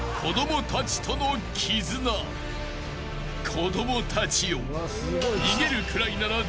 ［子供たちよ］